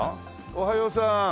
おはようさん。